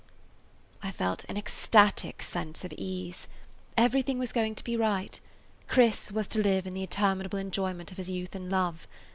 I felt an ecstatic sense of ease. Everything was going to be right. Chris was to live in the interminable enjoyment of his youth and love.